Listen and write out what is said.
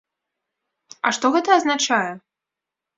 А што гэта азначае?